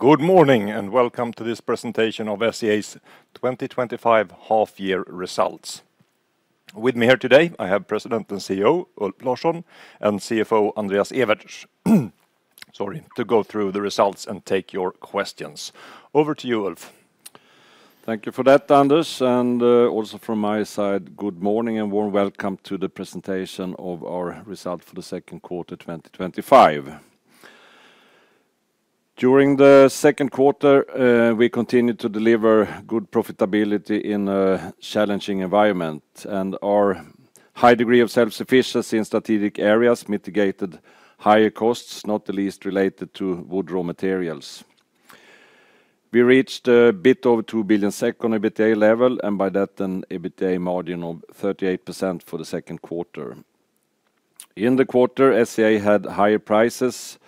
Good morning and welcome to this presentation of SEA's twenty twenty five Half Year Results. With me here today, I have President and CEO, Ulf Larsson and CFO, Andreas Evertz to go through the results and take your questions. Over to you, Ulf. Thank you for that, Anders. And also from my side, good morning and warm welcome to the presentation of our results for the second quarter twenty twenty five. During the second quarter, we continued to deliver good profitability in a challenging environment. And our high degree of self sufficiency in strategic areas mitigated higher costs, not the least related to wood raw materials. We reached a bit of 2,000,000,000 on EBITDA level and by that an EBITDA margin of 38% for the second quarter. In the quarter, SCA had higher prices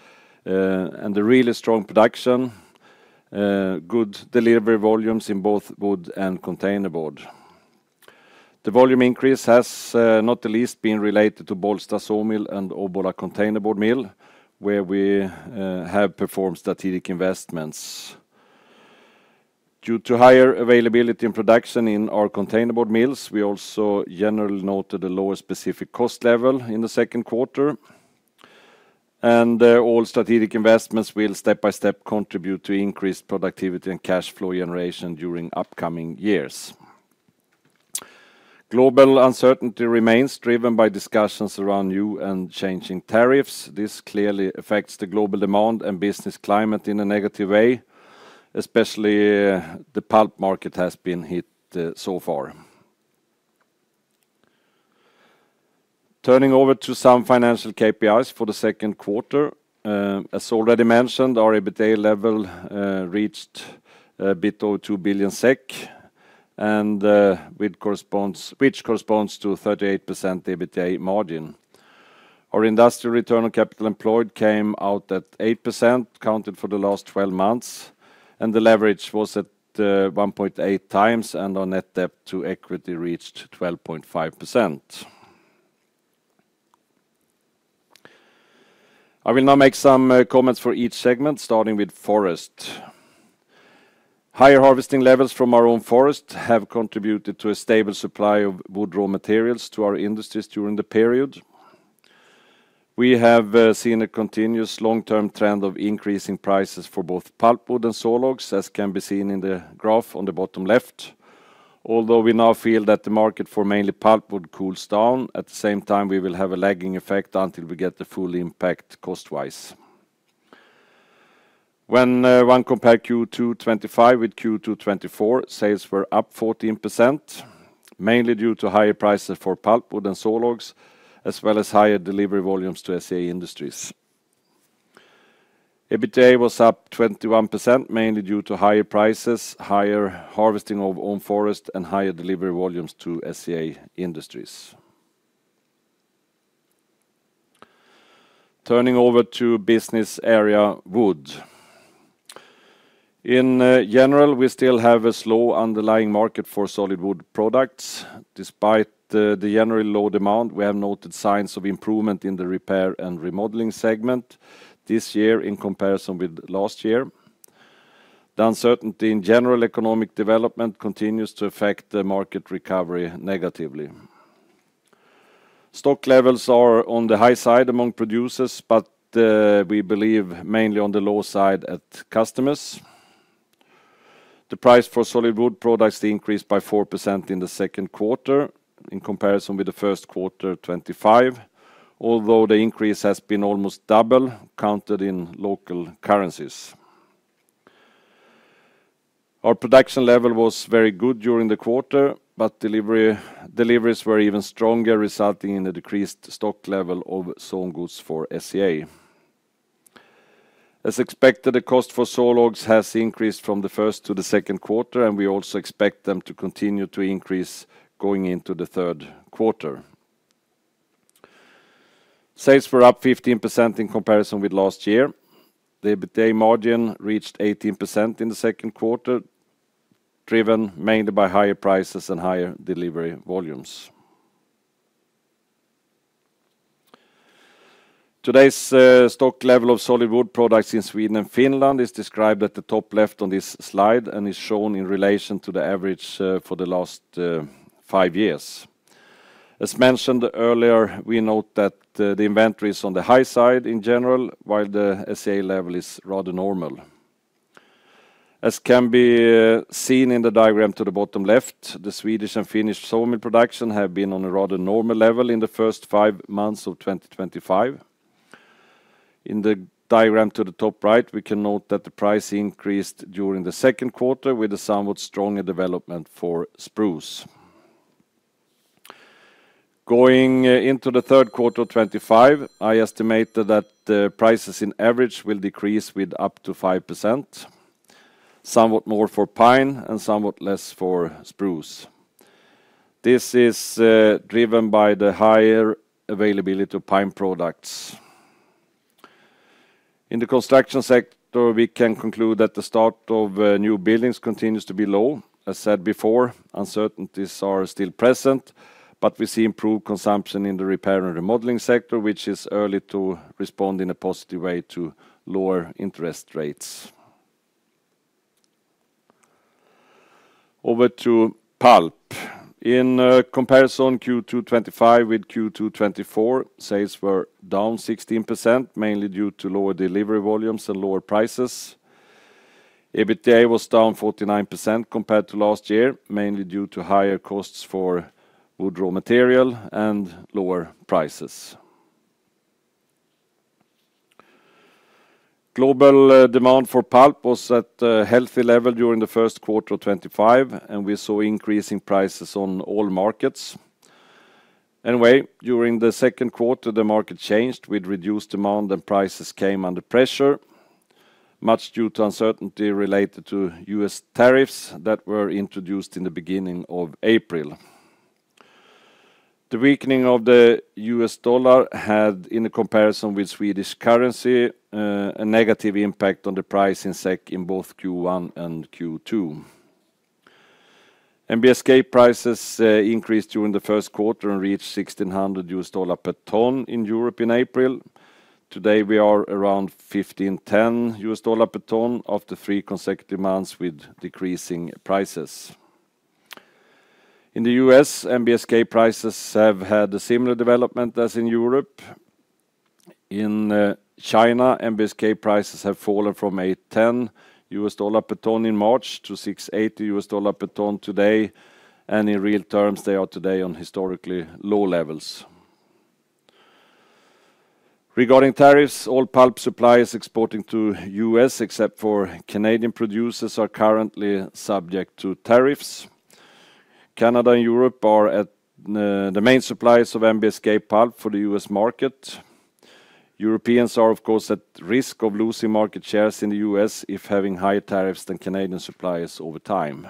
and a really strong production, good delivery volumes in both wood and containerboard. The volume increase has not the least been related to Bolstad sawmill and Obbola containerboard mill where we have performed strategic investments. Due to higher availability in production in our containerboard mills, we also generally noted a lower specific cost level in the second quarter. And all strategic investments will step by step contribute to increased productivity and cash flow generation during upcoming years. Global uncertainty remains driven by discussions around new and changing tariffs. This clearly affects the global demand and business climate in a negative way, especially the pulp market has been hit so far. Turning over to some financial KPIs for the second quarter. As already mentioned, our EBITDA level reached 2,000,000,000 and which corresponds to 38% EBITDA margin. Our industrial return on capital employed came out at 8% counted for the last twelve months and the leverage was at 1.8 times and our net debt to equity reached 12.5%. I will now make some comments for each segment starting with forest. Higher harvesting levels from our own forest have contributed to a stable supply of wood raw materials to our industries during the period. We have seen a continuous long term trend of increasing prices for both pulpwood and sawlogs as can be seen in the graph on the bottom left. Although we now feel that the market for mainly pulpwood cools down, at the same time we will have a lagging effect until we get the full impact cost wise. When one compare Q2 twenty twenty five with Q2 twenty twenty four, sales were up 14% mainly due to higher prices for pulpwood and sawlogs as well as higher delivery volumes to SA Industries. EBITDA was up 21% mainly due to higher prices, higher harvesting of own forest and higher delivery volumes to SCA Industries. Turning over to business area wood. In general, we still have a slow underlying market for solid wood products. Despite the general low demand, we have noted signs of improvement in the repair and remodeling segment this year in comparison with last year. The uncertainty in general economic development continues to affect the market recovery negatively. Stock levels are on the high side among producers, but we believe mainly on the low side at customers. The price for solid wood products increased by 4% in the second quarter in comparison with the first quarter twenty five, although the increase has been almost double counted in local currencies. Our production level was very good during the quarter, but deliveries were even stronger resulting in a decreased stock level of sawn goods for SCA. As expected, the cost for sawlogs has increased from the first to the second quarter and we also expect them to continue to increase going into the third quarter. Sales were up 15% in comparison with last year. The EBITDA margin reached 18% in the second quarter, driven mainly by higher prices and higher delivery volumes. Today's stock level of solid wood products in Sweden and Finland is described at the top left on this slide and is shown in relation to the average for the last five years. As mentioned earlier, we note that the inventories on the high side in general while the SA level is rather normal. As can be seen in the diagram to the bottom left, the Swedish and Finnish sawmill production have been on a rather normal level in the first five months of twenty twenty five. In the diagram to the top right, we can note that the price increased during the second quarter with a somewhat stronger development for Spruce. Going into the third quarter of twenty twenty five, I estimate that prices in average will decrease with up to 5%, somewhat more for pine and somewhat less for spruce. This is driven by the higher availability of pine products. In the construction sector, we can conclude that the start of new buildings continues to be low. As said before, uncertainties are still present, but we see improved consumption in the repair and remodeling sector, which is early to respond in a positive way to lower interest rates. Over to pulp, in comparison Q2 twenty twenty five with Q2 twenty twenty four sales were down 16% mainly due to lower delivery volumes and lower prices. EBITDA was down 49% compared to last year mainly due to higher costs for wood raw material and lower prices. Global demand for pulp was at healthy level during the 2025 and we saw increasing prices on all markets. Anyway, during the second quarter the market changed with reduced demand and prices came under pressure much due to uncertainty related to U. S. Tariffs that were introduced in the April. The weakening of the U. S. Dollar had in comparison with Swedish currency a negative impact on the price in SEK in both Q1 and Q2. NBSK prices increased during the first quarter and reached US1600 dollars per ton in Europe in April. Today we are around US1510 dollars per ton after three consecutive months with decreasing prices. In The U. S, NBSK prices have had a similar development as in Europe. In China, MVSK prices have fallen from US8.10 dollars per ton in March to US6.80 dollars per ton today and in real terms they are today on historically low levels. Regarding tariffs, all pulp supplies exporting to U. S. Except for Canadian producers are currently subject to tariffs. Canada and Europe are the main suppliers of NBSK pulp for The U. S. Market. Europeans are of course at risk of losing market shares in The U. S. If having higher tariffs than Canadian suppliers over time.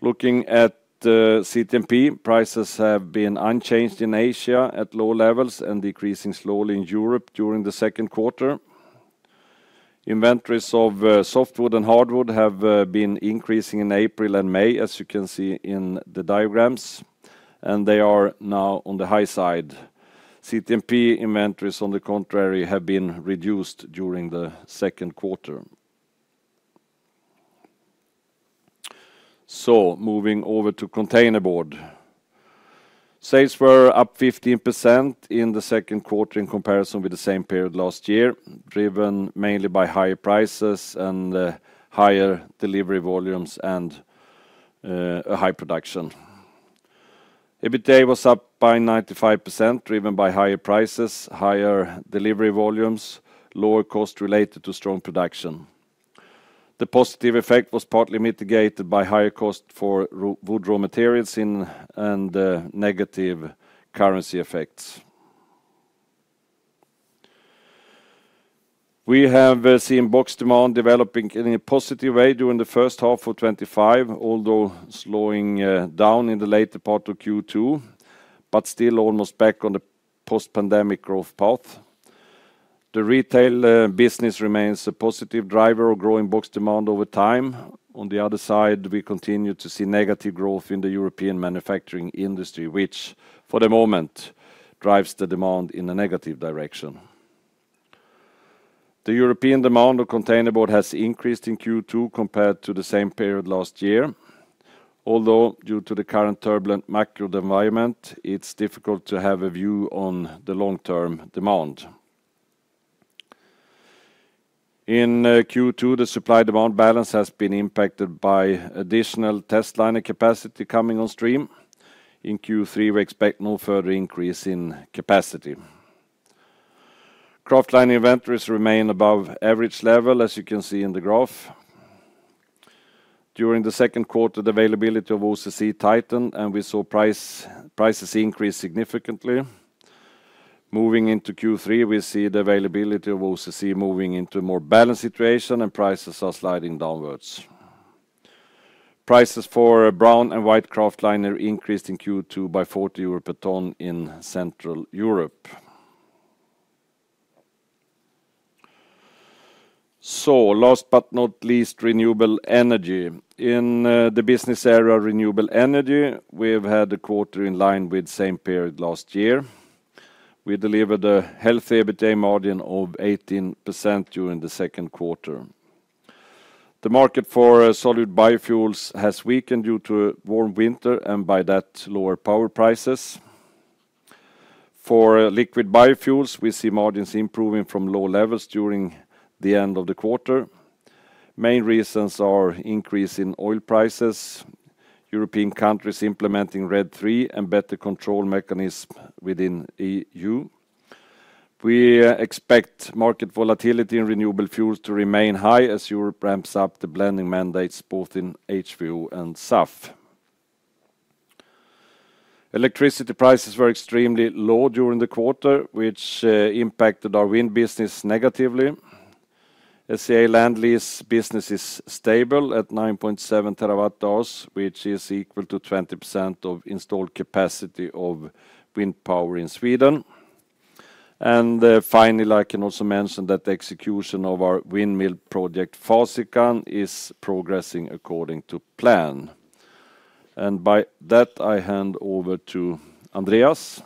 Looking at CPMP, prices have been unchanged in Asia at low levels and decreasing slowly in Europe during the second quarter. Inventories of softwood and hardwood have been increasing in April and May as you can see in the diagrams and they are now on the high side. CTMP inventories on the contrary have been reduced during the second quarter. So moving over to containerboard. Sales were up 15% in the second quarter in comparison with the same period last year, driven mainly by higher prices and higher delivery volumes and high production. EBITDA was up by 95% driven by higher prices, higher delivery volumes, lower cost related to strong production. The positive effect was partly mitigated by higher cost for wood raw materials and negative currency effects. We have seen box demand developing in a positive way during the first half of twenty twenty five, although slowing down in the later part of Q2, but still almost back on the post pandemic growth path. The retail business remains a positive driver of growing box demand over time. On the other side, we continue to see negative growth in the European manufacturing industry, which for the moment drives the demand in a negative direction. The European demand of containerboard has increased in Q2 compared to the same period Although due to the current turbulent macro environment, it's difficult to have a view on the long term demand. In Q2, the supply demand balance has been impacted by additional testliner capacity coming on stream. In Q3, we expect no further increase in capacity. Kraftliner inventories remain above average level as you can see in the graph. During the second quarter, the availability of OCC tightened and we saw prices increased significantly. Moving into Q3, we see the availability of OCC moving into more balanced situation and prices are sliding downwards. Prices for brown and white kraftliner increased in Q2 by 40 euro per ton in Central Europe. So last but not least, renewable energy. In the business area renewable energy, we've had a quarter in line with same period last year. We delivered a healthy EBITDA margin of 18% during the second quarter. The market for solid biofuels has weakened due to warm winter and by that lower power prices. For liquid biofuels, we see margins improving from low levels during the end of the quarter. Main reasons are increase in oil prices, European countries implementing RED III and better control mechanism within EU. We expect market volatility in renewable fuels to remain high as Europe ramps up the blending mandates both in HVO and SAF. Electricity prices were extremely low during the quarter, which impacted our wind business negatively. SCA land lease business is stable at 9.7 terawatt hours, which is equal to 20% of installed capacity of wind power in Sweden. And finally, I can also mention that the execution of our windmill project Farsikan is progressing according to plan. And by that, I hand over to Andreas.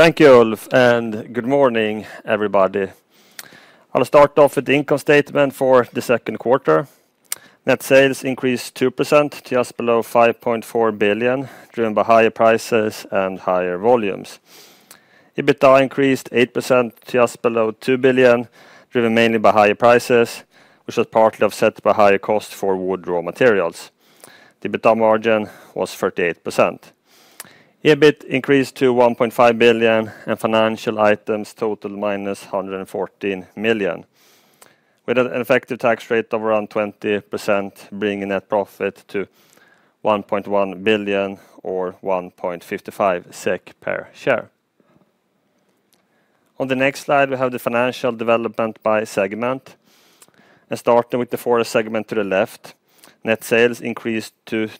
Thank you, Olf, and good morning, everybody. I'll start off with the income statement for the second quarter. Net sales increased 2% to just below 5,400,000,000.0, driven by higher prices and higher volumes. EBITDA increased 8% to just below 2,000,000,000, driven mainly by higher prices, which was partly offset by higher costs for wood raw materials. The EBITA margin was 38%. EBIT increased to 1,500,000,000.0 and financial items totaled minus 114,000,000, with an effective tax rate of around 20%, bringing net profit to 1.1 billion or 1.55 SEK per share. On the next slide, we have the financial development by segment. And starting with the Forest segment to the left, net sales increased to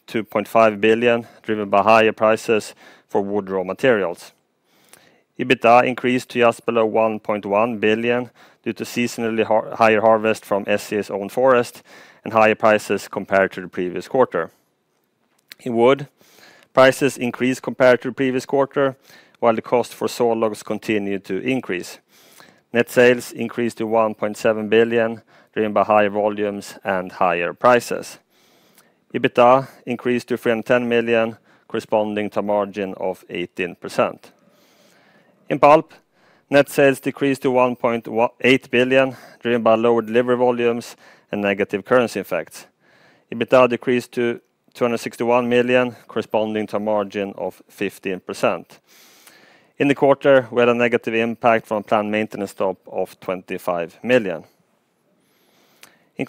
billion, driven by higher prices for Wood Raw Materials. EBITDA increased to just below 1,100,000,000.0 due to seasonally higher harvest from SCA's own forest and higher prices compared to the previous quarter. In wood, prices increased compared to the previous quarter, while the cost for sawlogs continued to increase. Net sales increased to 1,700,000,000.0, driven by higher volumes and higher prices. EBITDA increased to SEK $310,000,000, corresponding to a margin of 18%. In Pulp, net sales decreased to 1,800,000,000.0, driven by lower delivery volumes and negative currency effects. EBITDA decreased to 261 million corresponding to a margin of 15%. In the quarter, we had a negative impact from planned maintenance stop of 25 million. In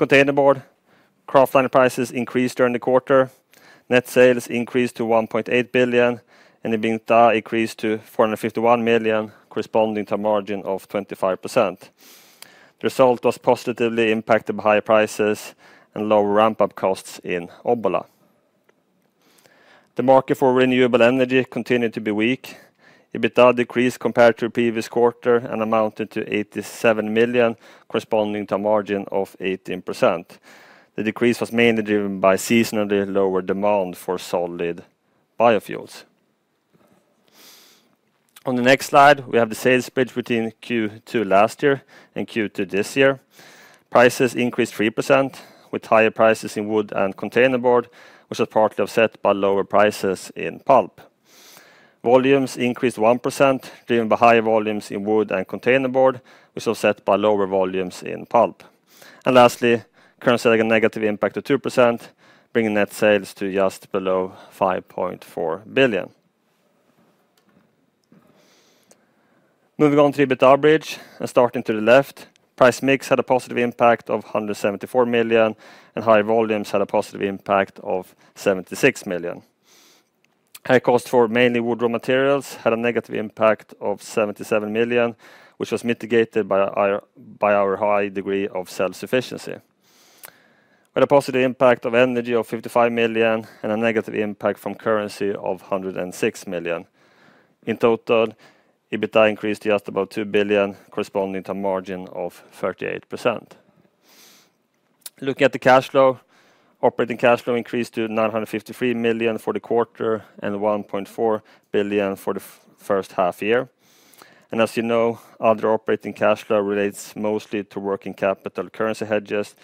containerboard, kraftliner prices increased during the quarter. Net sales increased to 1.8 billion and EBITDA increased to 451 million corresponding to a margin of 25%. The result was positively impacted by higher prices and lower ramp up costs in Obbola. The market for renewable energy continued to be weak. EBITDA decreased compared to previous quarter and amounted to 87,000,000 corresponding to a margin of 18%. The decrease was mainly driven by seasonally lower demand for solid biofuels. On the next slide, we have the sales split between Q2 last year and Q2 this year. Prices increased 3% with higher prices in wood and containerboard, which was partly offset by lower prices in pulp. Volumes increased 1%, driven by higher volumes in wood and containerboard, which was offset by lower volumes in pulp. And lastly, currency negative impact of 2%, bringing net sales to just below 5,400,000,000.0. Moving on to EBITDA bridge and starting to the left. Pricemix had a positive impact of 174,000,000 and higher volumes had a positive impact of 76,000,000. Air costs for mainly Woodraw Materials had a negative impact of 77 million, which was mitigated by our high degree of self sufficiency, with a positive impact of energy of 55 million and a negative impact from currency of 106,000,000. In total, EBITDA increased just about 2,000,000,000 corresponding to a margin of 38%. Looking at the cash flow. Operating cash flow increased to SEK $953,000,000 for the quarter and 1,400,000,000.0 for the first half year. And as you know, other operating cash flow relates mostly to working capital currency hedges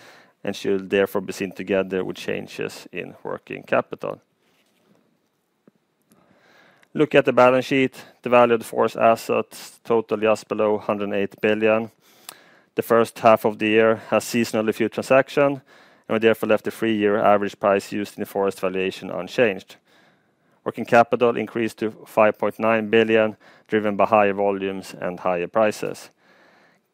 and should therefore be seen together with changes in working capital. Looking at the balance sheet. The value of the forest assets totaled just below 108 billion. The first half of the year has seasonally few transaction and we therefore left the three year average price used in the forest valuation unchanged. Working capital increased to 5,900,000,000.0, driven by higher volumes and higher prices.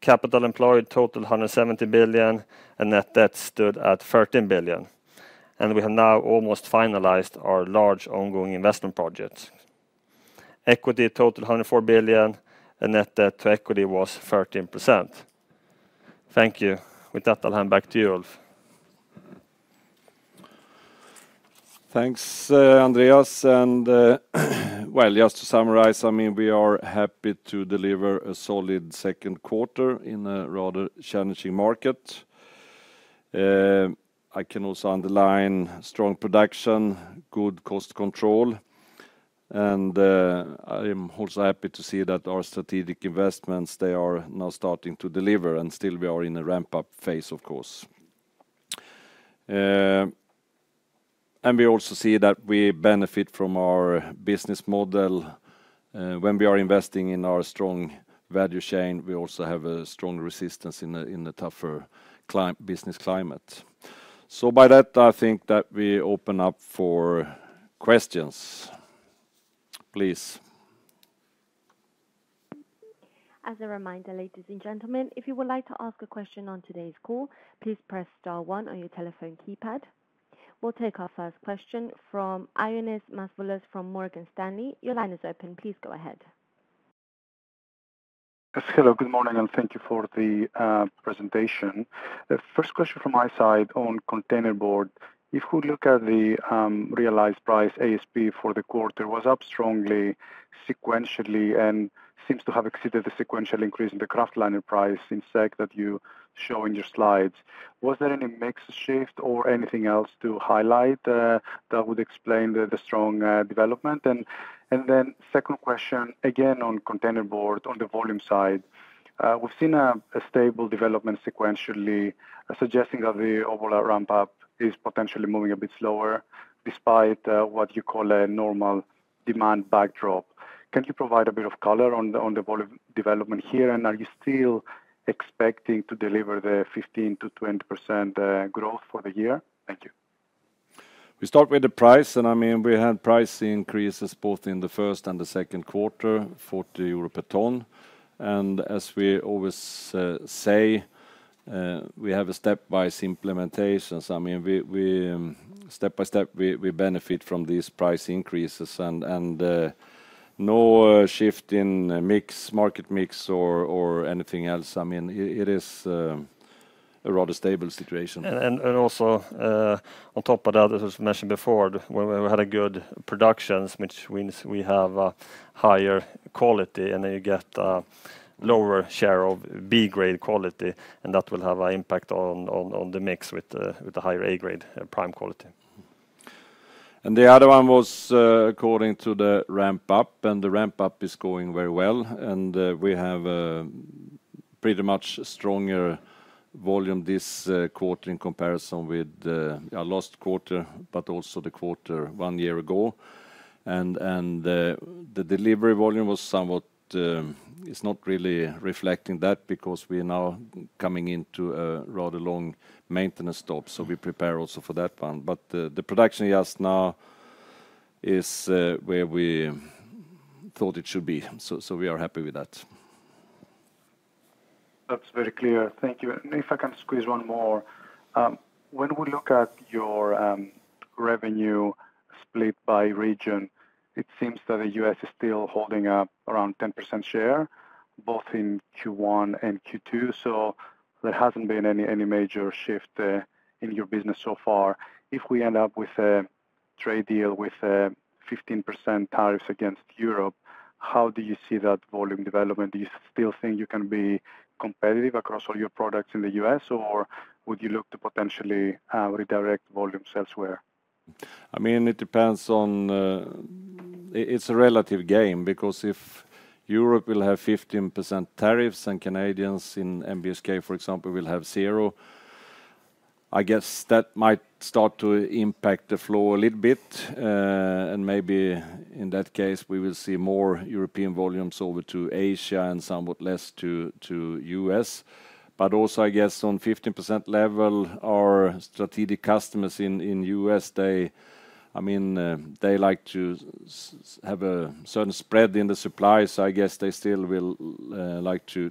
Capital employed totaled 170,000,000,000 and net debt stood at 13,000,000,000. And we have now almost finalized our large ongoing investment projects. Equity totaled 104,000,000,000 and net debt to equity was 13 percent. Thank you. With that, I'll hand back to you, Ulf. Thanks, Andreas. And well, just to summarize, I mean, we are happy to deliver a solid second quarter in a rather challenging market. I can also underline strong production, good cost control. And I'm also happy to see that our strategic investments, they are now starting to deliver and still we are in a ramp up phase of course. And we also see that we benefit from our business model When we are investing in our strong value chain, we also have a strong resistance in the tougher business climate. So by that, I think that we open up for questions. Please. We'll take our first question from Ionis Masvoulas from Morgan Stanley. Your line is open. Please go ahead. Hello. Good morning and thank you for the presentation. The first question from my side on containerboard. If we look at the realized price ASP for the quarter, it was up strongly sequentially and seems to have exceeded the sequential increase in the kraftliner price in SEK that you show in your slides. Was there any mix shift or anything else to highlight that would explain the strong development? And then second question, again on containerboard on the volume side. We've seen a stable development sequentially suggesting that the overall ramp up is potentially moving a bit slower despite what you call a normal demand backdrop. Can you provide a bit of color on the volume development here? And are you still expecting to deliver the 15% to 20% growth for the year? Thank you. We start with the price and I mean we had price increases both in the first and the second quarter 40 euro per ton. And as we always say, we have a step by step implementation. So I mean, step by step we benefit from these price increases and no shift in mix market mix or anything else. Mean, it is a rather stable situation. And also on top of that, as I mentioned before, we had a good productions, which means we have higher quality and then you get lower share of B grade quality and that will have an impact on the mix with the higher A grade prime quality. And the other one was according to the ramp up and the ramp up is going very well and we have pretty much stronger volume this quarter in comparison with our last quarter, but also the quarter one year ago. And the delivery volume was somewhat is not really reflecting that because we are now coming into a rather long maintenance stop. So we prepare also for that one. But the production just now is where we thought it should be. So we are happy with that. That's very clear. Thank you. And if I can squeeze one more. When we look at your revenue split by region, it seems that The U. S. Is still holding up around 10 share both in Q1 and Q2. So there hasn't been any major shift in your business so far. If we end up with a trade deal with 15% tariffs against Europe, how do you see that volume development? Do you still think you can be competitive across all your products in The U. S? Or would you look to potentially redirect volumes elsewhere? I mean, it depends on it's a relative game because if Europe will have 15% tariffs and Canadians in MBBSK, for example, will have zero, I guess that might start to impact the flow a little bit. And maybe in that case, we will see more European volumes over to Asia and somewhat less to U. S. But also, I guess, on 15% level, our strategic customers in U. S, I mean they like to have a certain spread in the supply, so I guess they still will like to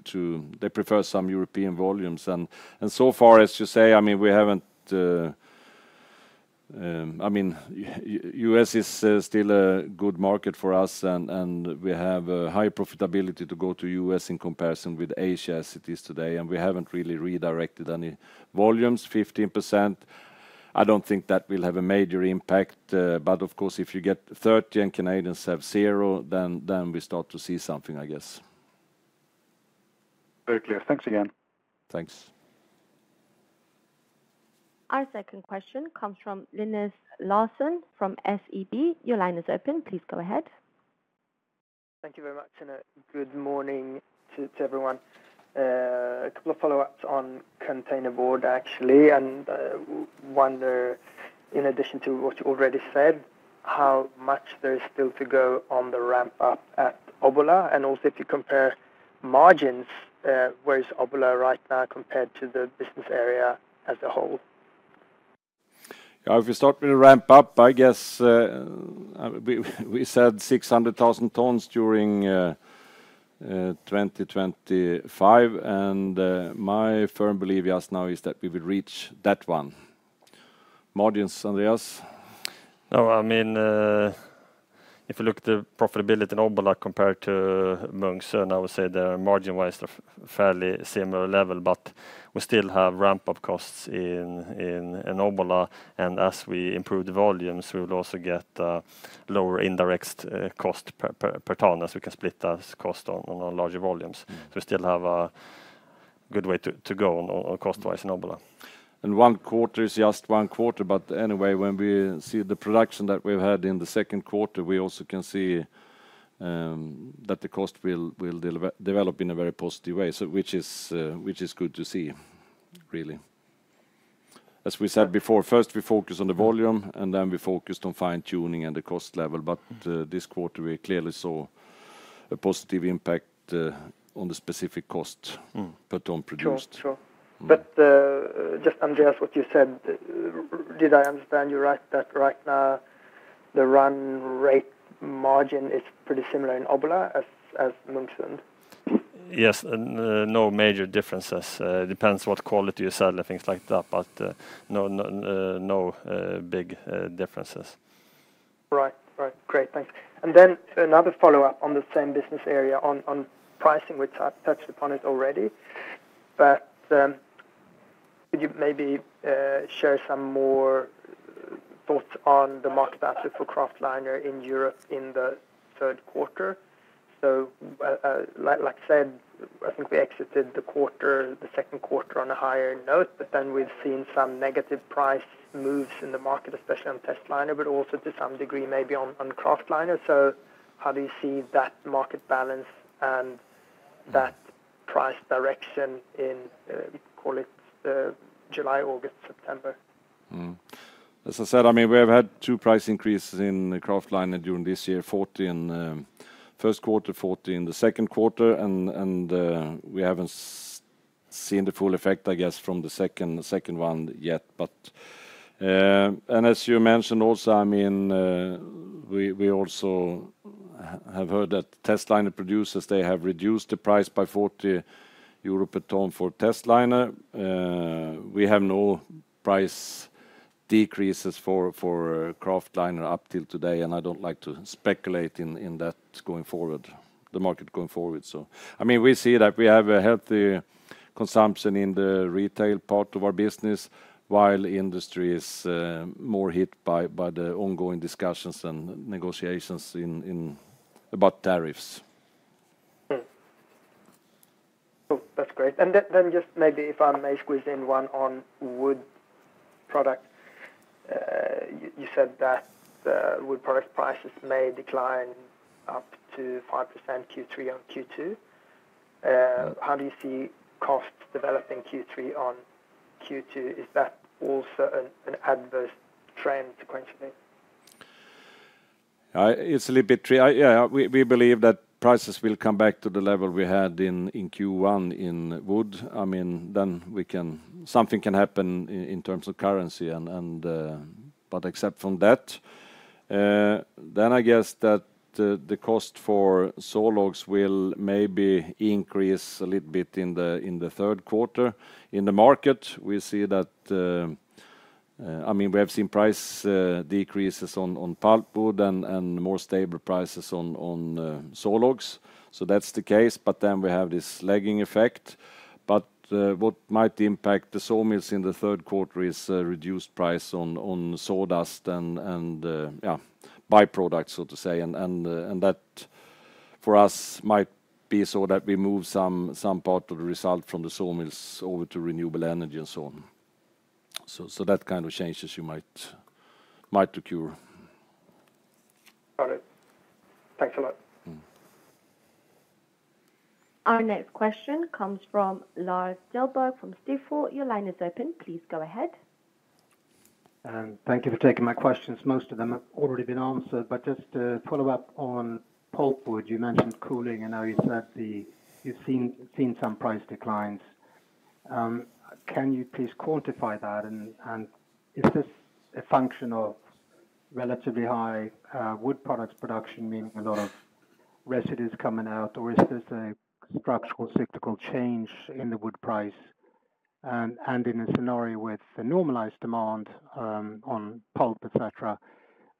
they prefer some European volumes. And so far as you say, I mean we haven't mean, S. Is still a good market for us and we have high profitability to go to U. S. In comparison with Asia as it is today and we haven't really redirected any volumes, 15%. I don't think that will have a major impact. But of course, if you get 30% Canadians have 0%, then we start to see something, I guess. Very clear. Thanks again. Thanks. Our second question comes from Linus Larsson from SEB. Your line is open. Please go ahead. Thank you very much and good morning to everyone. A couple of follow ups on containerboard actually. And I wonder, in addition to what you already said, how much there is still to go on the ramp up at Obbola? And also if you compare margins, where is Obbola right now compared to the business area as a whole? If you start with the ramp up, guess we said 600,000 tons during 2025 and my firm belief just now is that we will reach that one. Margins Andreas? No, I mean if you look at the profitability in Obalak compared to Mungs, I would say the margin wise, fairly similar level, but we still have ramp up costs in Obbola. And as we improve the volumes, we will also get lower indirect cost per tonne as we can split the cost on larger volumes. So we still have a good way to go on cost wise in Obla. And one quarter is just one quarter, but anyway, when we see the production that we've had in the second quarter, we also can see that the cost will develop in a very positive way, so which is good to see really. As we said before, first we focus on the volume and then we focused on fine tuning and the cost level, but this quarter we clearly saw a positive impact on the specific cost, but on produced. Sure. But just Andreas, what you said, did I understand you right that right now the run rate margin is pretty similar in Obla as Munchund? Yes. No major differences. It depends what quality you sell and things like that, but no big differences. Right, right. Great. And then another follow-up on the same business area on pricing, which I touched upon it already. But could you maybe share some more thoughts on the market asset for kraftliner in Europe in the third quarter? So like I said, I think we exited the quarter the second quarter on a higher note, but then we've seen some negative price moves in the market, especially on testliner, but also to some degree, maybe on kraftliner. So how do you see that market balance and that price direction in, call it, July, August, September? As I said, I mean, we have had two price increases in kraftliner during this year, 40 in first quarter, 40 in the second quarter and we haven't seen the full effect I guess from the second one yet. And as you mentioned also, mean, we also have heard that testliner producers, they have reduced the price by 40 euro per tonne for testliner. We have no price decreases for kraftliner up till today and I don't like to speculate in that going forward the market going forward. I mean, we see that we have a healthy consumption in the retail part of our business while industry is more hit by the ongoing discussions and negotiations in about tariffs. That's great. And then just maybe if I may squeeze in one on wood product. You said that wood product prices may decline up to 5% Q3 on Q2. How do you see costs developing Q3 on Q2? Is that also an adverse trend sequentially? It's a little bit yes, we believe that prices will come back to the level we had in Q1 in wood. I mean, then we can something can happen in terms of currency and but except from that. Then I guess that the cost for sawlogs will maybe increase a little bit in third quarter. In the market, we see that I mean, we have seen price decreases on pulpwood and more stable prices on sawlogs. So that's the case, but then we have this lagging effect. But what might impact the sawmills in the third quarter is reduced price on sawdust and yes, byproducts, so to say. And that for us might be so that we move some part of the result from the sawmills over to renewable energy and so So that kind of changes you might procure. Got it. Thanks a lot. Our next question comes from Lars Kjellberg from Stifel. Your line is open. Please go ahead. Thank you for taking my questions. Most of them have already been answered. But just a follow-up on pulpwood. You mentioned cooling. I know you said the you've seen some price declines. Can you please quantify that? And is this a function of relatively high wood products production, meaning a lot of residues coming out? Or is this a structural cyclical change in the wood price? And in a scenario with the normalized demand on pulp, etcetera,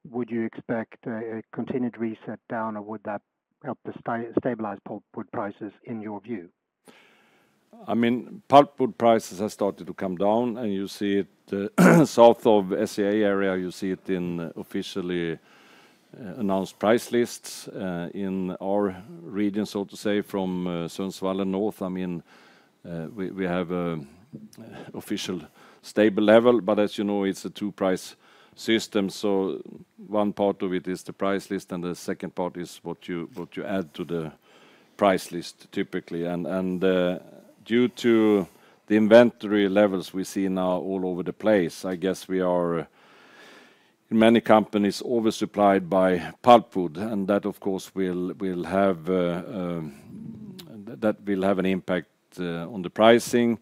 would you expect a continued reset down? Or would that help to stabilize pulpwood prices in your view? I mean pulpwood prices have started to come down. And you see it South Of SCA area, you see it in officially announced price lists in our region so to say from Zoneswala North. I mean we have an official stable level, but as you know it's a two price system. So one part of it is the price list and the second part is what you add to the price list typically. And due to the inventory levels we see now all over the place, I guess we are in many companies oversupplied by pulpwood and that of course will have will have an impact on the pricing.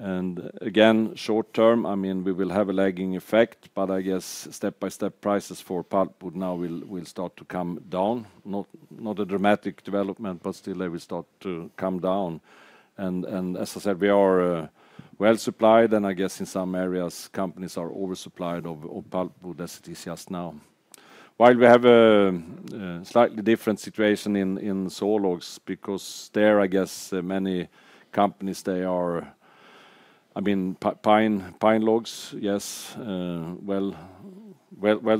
And again, short term, I mean, we will have a lagging effect, but I guess step by step prices for pulp would now will start to come down, not a dramatic development, but still they will start to come down. And as I said, we are well supplied and I guess in some areas companies are oversupplied of pulpwood as it is just now. While we have a slightly different situation in sawlogs because there I guess many companies they are I mean pine logs, yes, well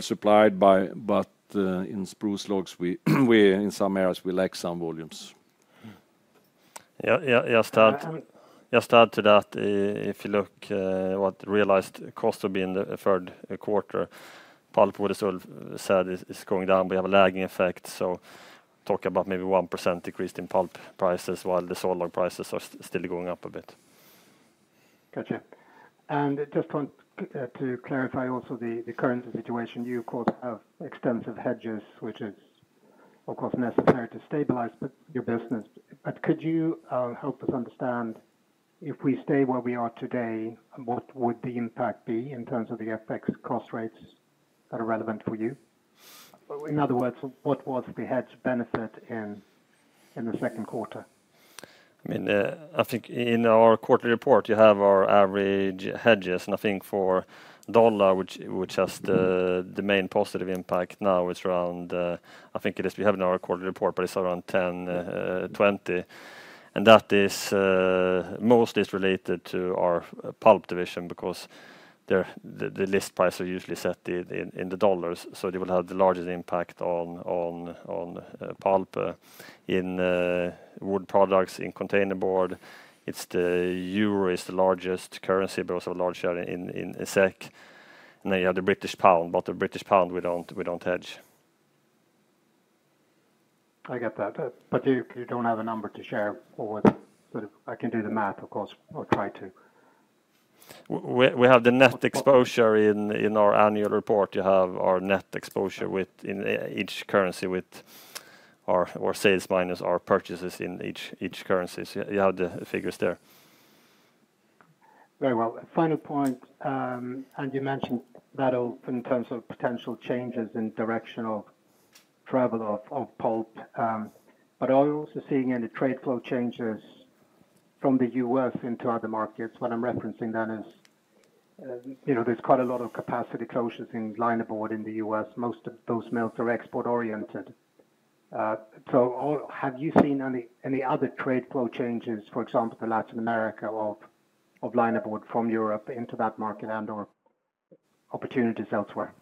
supplied by but in spruce logs we in some areas we lack some volumes. Yes. Just to add to that, if you look what realized cost would be in the third quarter, pulp, as I said, is going down. We have a lagging effect. So talk about maybe 1% decrease in pulp prices while the solar prices are still going up a bit. Got you. And just want to clarify also the currency situation. You, of course, have extensive hedges, which is, of course, necessary to stabilize your business. But could you help us understand if we stay where we are today, what would the impact be in terms of the FX cost rates that are relevant for you? In other words, what was the hedge benefit in the second quarter? I mean, I think in our quarterly report, have our average hedges. And I think for Dola, which has the main positive impact now is around I think it is we have in our quarterly report, but it's around 10.2. And that is mostly is related to our pulp division because the list price are usually set in the dollars. So they will have the largest impact on pulp in wood products, in containerboard. It's the euro is the largest currency, but also a large share in SEK and then you have the British pound. But the British pound, we don't hedge. I get that. But you don't have a number to share or what? I can do the math, of course, or try to. Have the net exposure in our annual report. You have our net exposure with in each currency with or sales minus our purchases in each currency. You have the figures there. Very well. Final point. And you mentioned that in terms of potential changes in directional travel of pulp. But are you also seeing any trade flow changes from The U. S. Into other markets? What I'm referencing then is there's quite a lot of capacity closures in line of order in The U. S. Most of those mills are export oriented. So have you seen any other trade flow changes, for example, for Latin America of linerboard from Europe into that market and or opportunities elsewhere?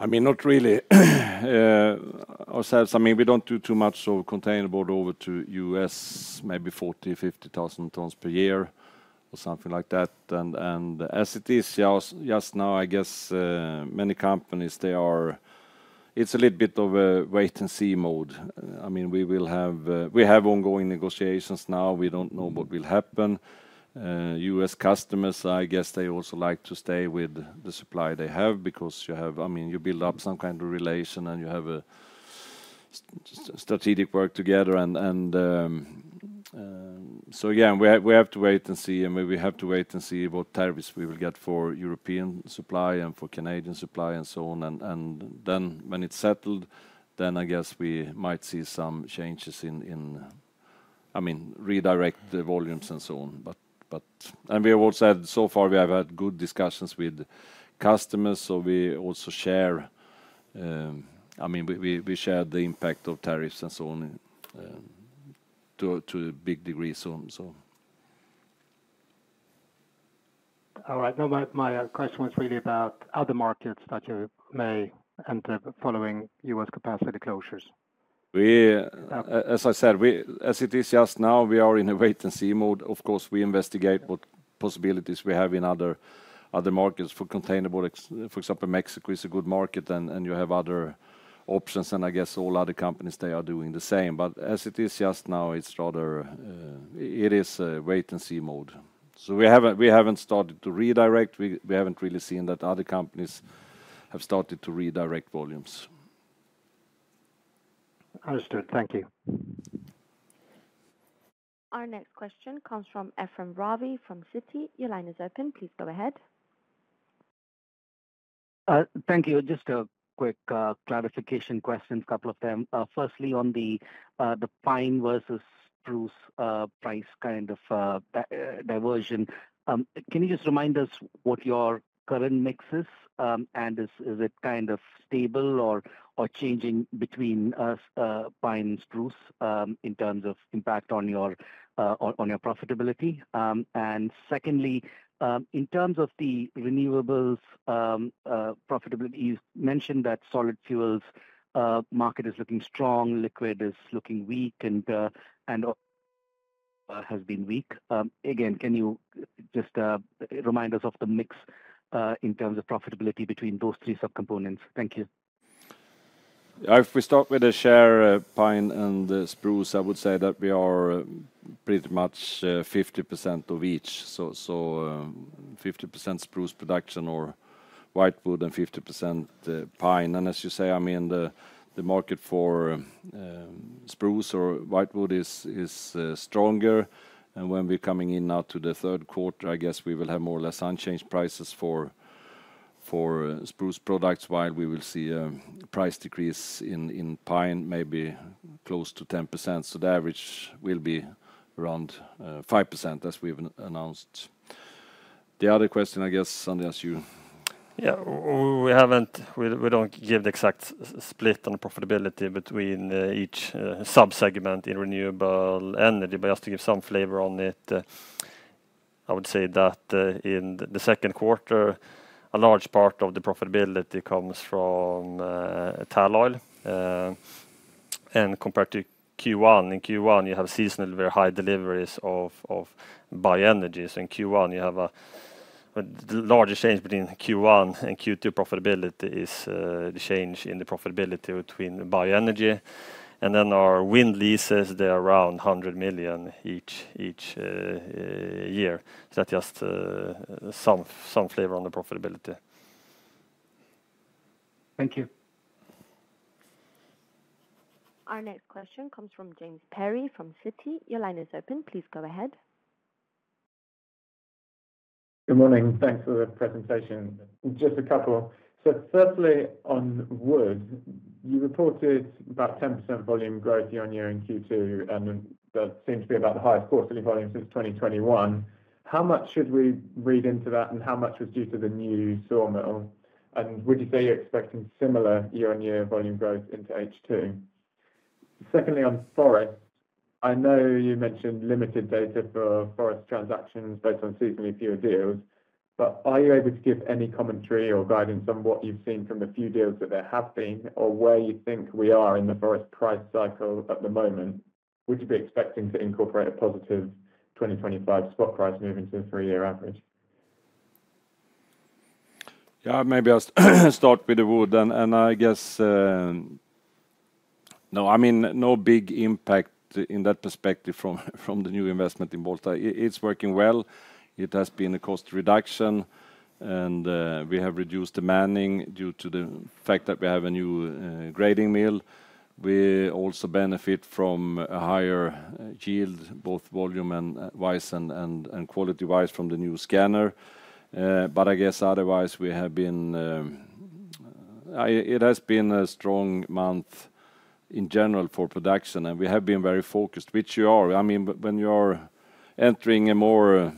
I mean, not really ourselves. I mean, we don't do too much of containerboard over to U. S, maybe 40,000, 50,000 tons per year or something like that. And as it is just now, I guess, many companies, they are it's a little bit of a wait and see mode. I mean, we will have we have ongoing negotiations now. We don't know what will happen. U. S. Customers, I guess, they also like to stay with the supply they have because you have I mean, you build up some kind of relation and you have a strategic work together. And so yes, we have to wait and see. I mean, we have to wait and see what tariffs we will get for European supply and Canadian supply and so on. Then when it's settled, then I guess we might see some changes in I mean, redirect the volumes and so on. And we have also said so far we have had good discussions with customers, so we also share I mean, we shared the impact of tariffs and so on to a big degree soon, so. All right. Now my question was really about other markets that you may enter following U. S. Capacity closures. We as I said, we as it is just now, we are in a wait and see mode. Of course, we investigate what possibilities we have in other markets for containerboard. For example, Mexico is a good market and you have other options and I guess all other companies, they are doing the same. But as it is just now, it's rather it is a wait and see mode. So we haven't started to redirect. We haven't really seen that other companies have started to redirect volumes. Understood. Thank you. Our next question comes from Efraim Rabi from Citi. Your line is open. Please go ahead. Thank you. Just a quick clarification question, a couple of them. Firstly, on the pine versus spruce price kind of diversion. Can you just remind us what your current mix is? And is it kind of stable or changing between pine and spruce in terms of impact on your profitability? And secondly, in terms of the renewables profitability, you mentioned that solid fuels market is looking strong, liquid is looking weak and has been weak. Again, can you just remind us of the mix in terms of profitability between those three subcomponents? Thank you. If we start with the share pine and the spruce, I would say that we are pretty much 50% of each. So 50% spruce production or white wood and 50% pine. And as you say, I mean, market for spruce or white wood is stronger. And when we're coming in now to the third quarter, I guess we will have more or less unchanged prices for spruce products while we will see price decrease in pine maybe close to 10%. So the average will be around 5% as we've announced. The other question, I guess, Andreas, you? Yes. We haven't we don't give the exact split on profitability between each subsegment in renewable energy, but just to give some flavor on it, I would say that in the second quarter, a large part of the profitability comes from talloy. And compared to Q1, in Q1, you have seasonally very high deliveries of Bioenergy. So in Q1, you have a largest change between Q1 and Q2 profitability is the change in the profitability between Bioenergy. And then our wind leases, they're around 100,000,000 each year. So that's just some flavor on the profitability. Thank you. Our next question comes from James Perry from Citi. Your line is open. Please go ahead. Good morning. Thanks for the presentation. Just a couple. So firstly, on wood, you reported about 10% volume growth year on year in Q2, and that seems to be about the highest quarterly volume since 2021. How much should we read into that? And how much was due to the new sawmill? And would you say you're expecting similar year on year volume growth into H2? Secondly, on ForEx, I know you mentioned limited data for ForEx transactions based on seasonally fewer deals. But are you able to give any commentary or guidance on what you've seen from the few deals that there have been or where you think we are in the forest price cycle at the moment? Would you be expecting to incorporate a positive 2025 spot price moving to a three year average? Yes, maybe I'll start with the wood. And I guess no, I mean, no big impact in that perspective from the new investment in Volta. It's working well. It has been a cost reduction and we have reduced the manning due to the fact that we have a new grading mill. We also benefit from a higher yield both volume wise and quality wise from the new scanner. But I guess otherwise we have been it has been a strong month in general for production and we have been very focused, which you are. I mean when you are entering a more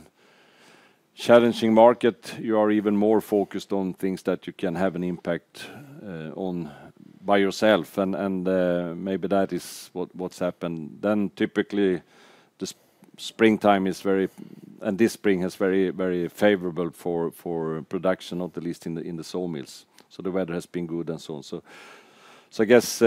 challenging market, you are even more focused on things that you can have an impact on by yourself. And maybe that is what's happened. Then typically, the springtime is very and this spring is very, very favorable for production, not at least in the sawmills. So the weather has been good and so on. So I guess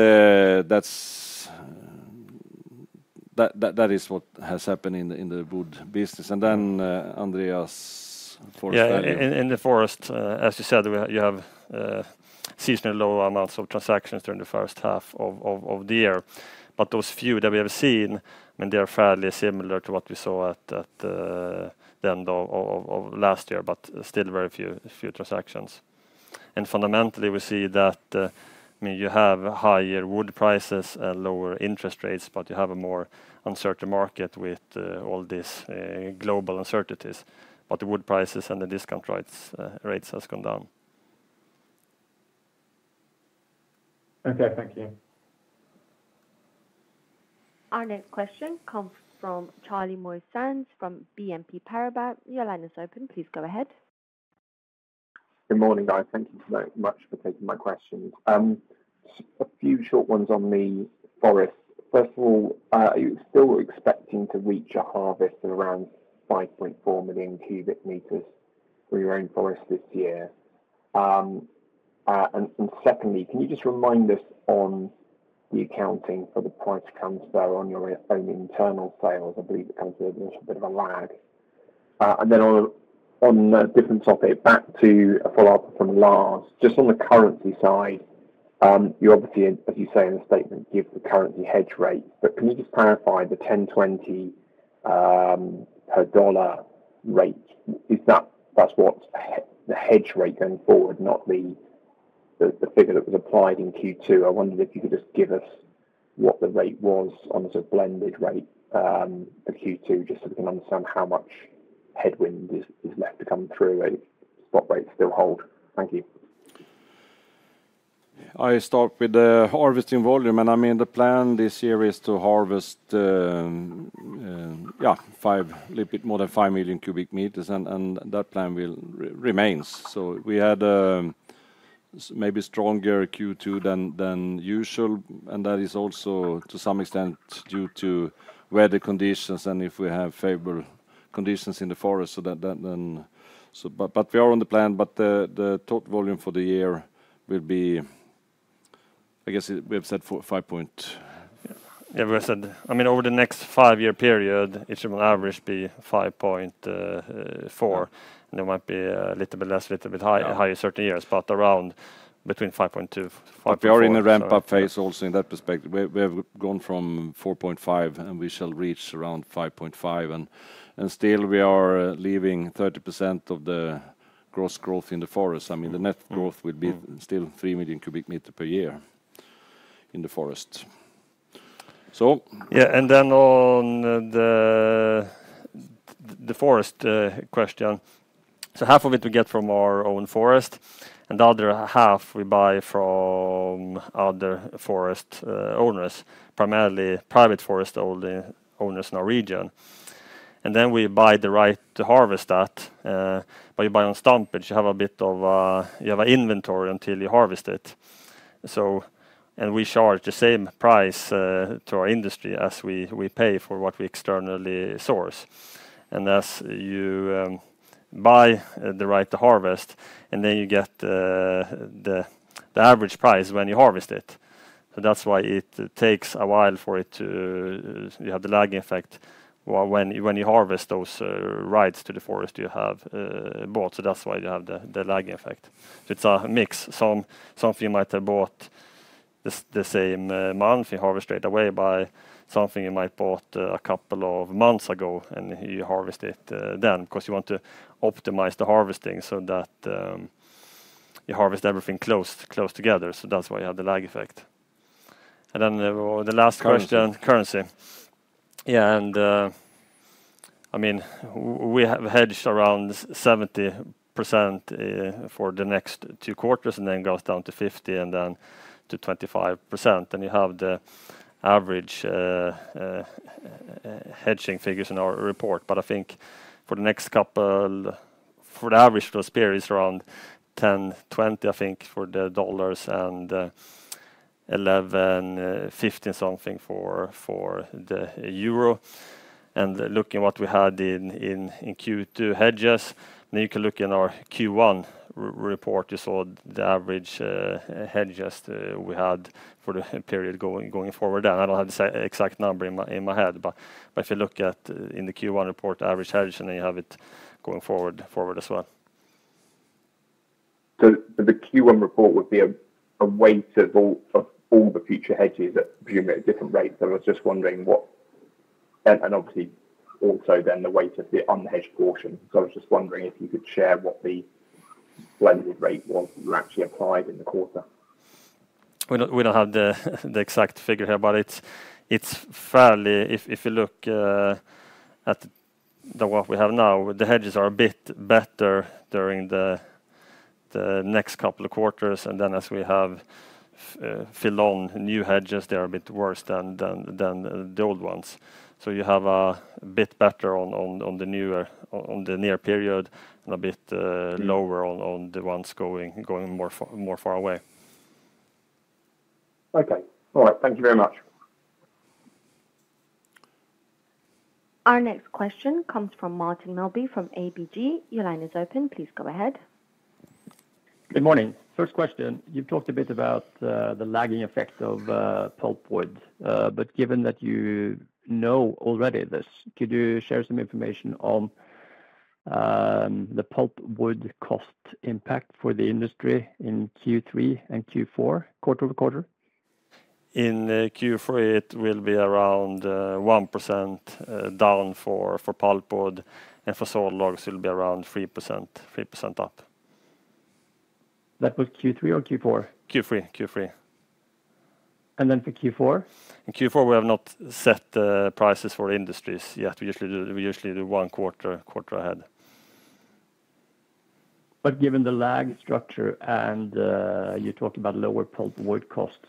that is what has happened in the wood business. And then Andreas, forest value? Yes. In the forest, as you said, you have seasonally low amounts of transactions during the first half of the year. But those few that we have seen, I mean, they are fairly similar to what we saw at the end of last year, but still very few transactions. And fundamentally, see that I mean, you have higher wood prices and lower interest rates, but you have a more uncertain market with all these global uncertainties. But the wood prices and the discount rates has gone down. Okay. Thank you. Our next question comes from Charlie Moy Sands from BNP Paribas. Your line is open. Please go ahead. Good morning, guys. Thank you very much for taking my questions. A few short ones on the forest. First of all, are you still expecting to reach a harvest of around 5,400,000 cubic meters for your own forest this year? And secondly, can you just remind us on the accounting for the price comes down on your own internal sales? I believe it comes with a bit of a lag. And then on a different topic, back to a follow-up from Lars. Just on the currency side, you obviously, as you say in the statement, give the currency hedge rate. But can you just clarify the $10.2 per dollar rate? Is that that's what the hedge rate going forward, not the figure that was applied in Q2? I wondered if you could just give us what the rate was on the blended rate for Q2, just so we can understand how much headwind is left to come through and spot rates still hold? Thank you. I start with the harvesting volume. And I mean the plan this year is to harvest, yes, five little bit more than 5,000,000 cubic meters and that plan will remains. So we had maybe stronger Q2 than usual and that is also to some extent due to weather conditions and if we have favorable conditions in the forest. So but we are on the plan, but the total volume for the year will be, I guess, we have said five point. Yes, have said I mean over the next five year period, it should on average be 5.4. There might be a little bit less, a little bit higher in certain years, but around between 5.2. But we are in a ramp up phase also in that perspective. We have gone from 4.5 and we shall reach around 5.5. Still we are leaving 30% of the gross growth in the forest. I mean the net growth would be still 3,000,000 cubic meter per year in the forest. Yes. And then on the forest question, So half of it we get from our own forest and the other half we buy from other forest owners, primarily private forest owners in our region. And then we buy the right to harvest that. But you buy on stumpage, you have a bit of you have an inventory until you harvest it. So and we charge the same price to our industry as we pay for what we externally source. And as you buy the right to harvest and then you get the average price when you harvest it. So that's why it takes a while for it to you have the lag effect When you harvest those rights to the forest, have bought, so that's why you have the lag effect. So it's a mix. Some of you might have bought the same month, harvest it away by something you might bought a couple of months ago and you harvest it then because you want to optimize the harvesting so that you harvest everything close together. So that's why you have the lag effect. Then the last question, currency. Yes, and I mean, we have hedged around 70% for the next two quarters and then goes down to 50% and then to 25%. And you have the average hedging figures in our report. But I think for the next couple for the average for SPEAR is around $10.20 I think for the dollars and $11.15 something for the euro. And looking what we had in Q2 hedges, then you can look in our Q1 report, you saw the average hedges we had the period going forward. I don't have the exact number in my head. If you look at in the Q1 report, average hedge, and then you have it going forward as well. So the Q1 report would be a weight of all the future hedges at presumably at different rates. I was just wondering what and obviously, also then the weight of the unhedged portion. So I was just wondering if you could share what the blended rate was you actually applied in the quarter? We don't have the exact figure here, but it's fairly if you look what we have now, the hedges are a bit better during the next couple of quarters. And then as we have fill on new hedges, they are a bit worse than the old ones. So you have a bit better on the newer on the near period and a bit lower on the ones going more far away. Okay. All right. Thank you very much. Our next question comes from Martin Melby from ABG. Your line is open. Please go ahead. Good morning. First question, you've talked a bit about the lagging effect of pulpwood. But given that you know already this, could you share some information on the pulpwood cost impact for the industry in Q3 and Q4 quarter over quarter? In Q3, it will be around 1% down for pulpwood. And for sawlogs, it will be around three percent up. That was Q3 or Q4? Q3. Q3. And then for Q4? In Q4, we have not set prices for industries yet. We usually one quarter ahead. But given the lag structure and you talked about lower pulpwood costs,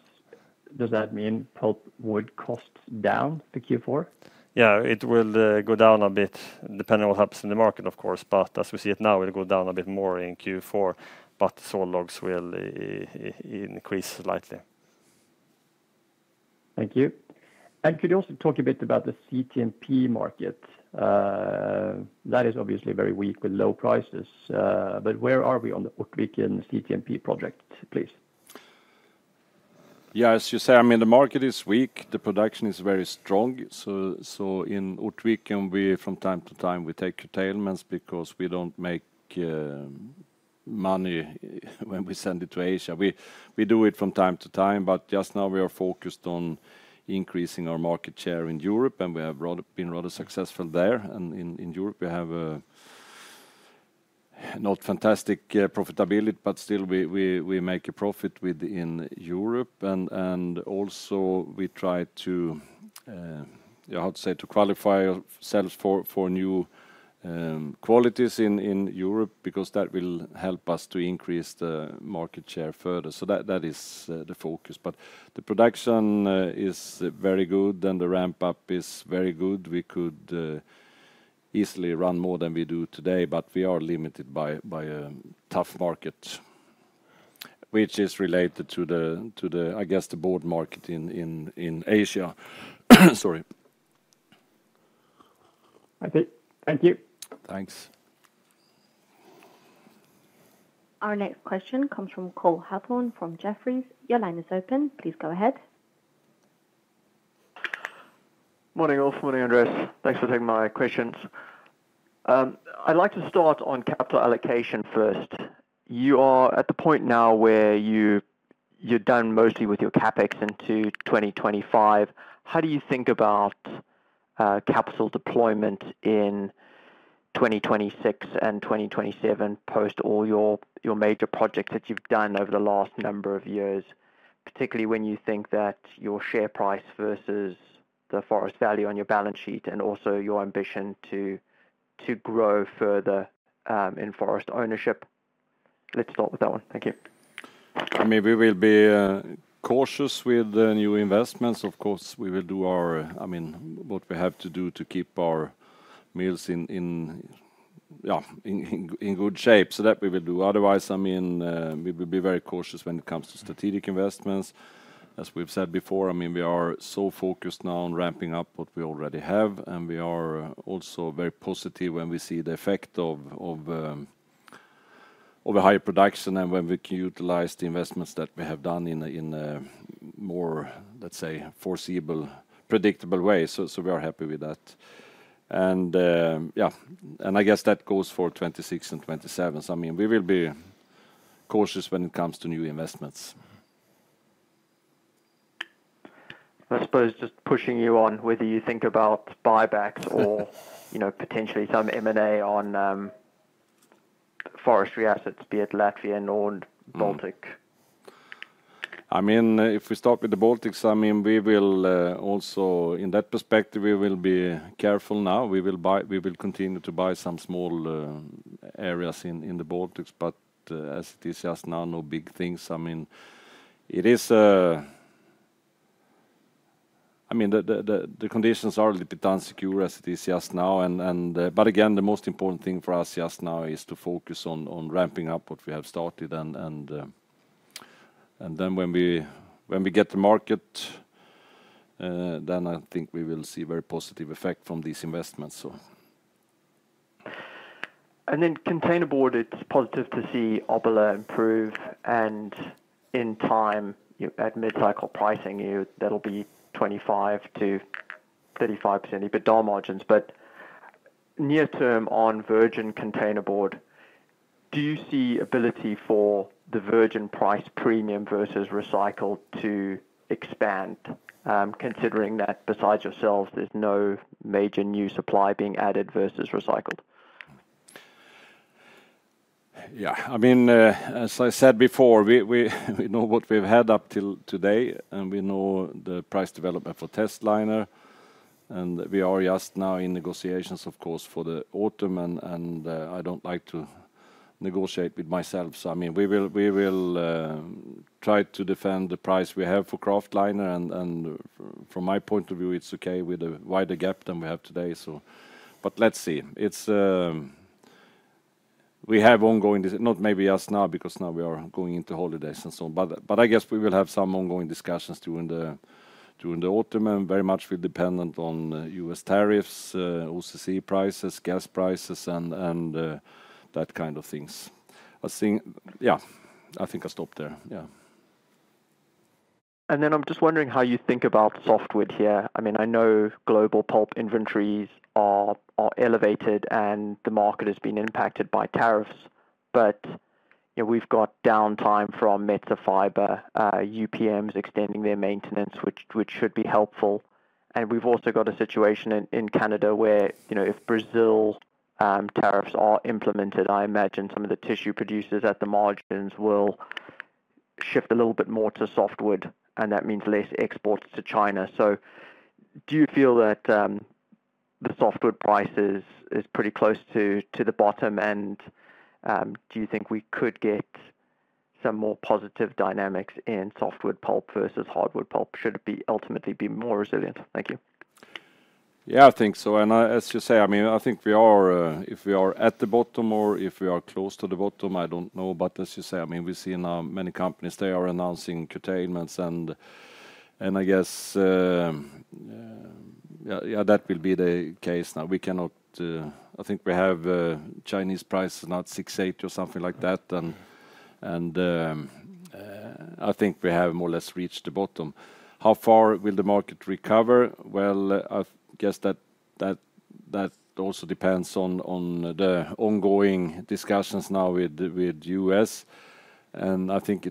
does that mean pulpwood costs down for Q4? Yes, it will go down a bit depending on what happens in the market, of course. But as we see it now, it will go down a bit more in Q4, but sawlogs will increase slightly. Thank you. And could you also talk a bit about the CT and P market? That is obviously very weak with low prices. But where are we on the Otvikin CTMP project, please? Yes. As you say, mean, the market is weak. The production is very strong. So in Utrecht, we from time to time, we take curtailments because we don't make money when we send it to Asia. We do it from time to time, but just now we are focused on increasing our market share in Europe and we have been rather successful there. And in Europe, have not fantastic profitability, but still we make a profit within Europe. And also we try to I would say to qualify ourselves for new qualities in Europe because that will help us to increase the market share further. So that is the focus. But the production is very good and the ramp up is very good. We could easily run more than we do today, but we are limited by a tough market, which is related to the, I guess, the board market in Asia. Okay. Thank you. Thanks. Our next question comes from Cole Hathorn from Jefferies. Your line is open. Please go ahead. Good morning, Good morning, Andres. Thanks for taking my questions. I'd like to start on capital allocation first. You are at the point now where you're done mostly with your CapEx into 2025. How do you think about capital deployment in 2026 and 2027 post all your major projects that you've done over the last number of years, particularly when you think that your share price versus the forest value on your balance sheet and also your ambition to grow further in forest ownership? Let's start with that one. Thank you. I mean, we will be cautious with new investments. Of course, we will do our I mean, what we have to do to keep our mills in good shape. So that we will do. Otherwise, I mean, we will be very cautious when it comes to strategic investments. As we've said before, I mean, we are so focused now on ramping up what we already have. And we are also very positive when we see the effect of a higher production and when we can utilize the investments that we have done in more, let's say, foreseeable predictable way. So we are happy with that. And yes, and I guess that goes for twenty twenty six and '27. I mean we will be cautious when it comes to new investments. I suppose just pushing you on whether you think about buybacks or potentially some M and A on forestry assets, it Latvia and Nordic? I mean, if we start with The Baltics, I mean, we will also in that perspective, we will be careful now. We will continue to buy some small areas in The Baltics, but as it is just now no big things. I mean it is I mean the conditions are a little bit unsecured as it is just now. But again, the most important thing for us just now is to focus on ramping up what we have started and then when we get to market then I think we will see very positive effect from these investments. And then containerboard, it's positive to see Obalar improve and in time at mid cycle pricing that will be 25 to 35% EBITDA margins. But near term on virgin containerboard, do you see ability for the virgin price premium versus recycled to expand considering that besides yourselves there's no major new supply being added versus recycled? Yes, I mean as I said before, know what we've had up till today and we know the price development for testliner and we are just now in negotiations of course for the autumn and I don't like to negotiate with myself. I mean we will try to defend the price we have for kraftliner and from my point of view it's okay with the wider gap than we have today. But let's see. It's we have ongoing not maybe just now because now we are going into holidays and so on. But I guess we will have some ongoing discussions during the autumn and very much will dependent on U. S. Tariffs, OCC prices, gas prices and that kind of things. I think yes, I think I'll stop there. Yes. And then I'm just wondering how you think about softwood here. I mean, I know global pulp inventories are elevated and the market has been impacted by tariffs. But we've got downtime from metafiber, UPMs extending their maintenance, which should be helpful. And we've also got a situation in Canada where if Brazil tariffs are implemented, I imagine some of the tissue producers at the margins will shift a little bit more to softwood, and that means less exports to China. So do you feel that the softwood price is pretty close to the bottom? And do you think we could get some more positive dynamics in softwood pulp versus hardwood pulp? Should it be ultimately be more resilient? Thank you. Yes, I think so. And as you say, I mean, I think we are if we are at the bottom or if we are close to the bottom, I don't know. But as you say, I mean, we see now many companies, they are announcing curtailments. And I guess, yes, that will be the case. Now we cannot I think we have Chinese prices now at 6,800,000,000.0 or something like that. And I think we have more or less reached the bottom. How far will the market recover? Well, I guess that also depends on the ongoing discussions now with U. S. And I think